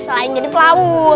selain jadi pelaut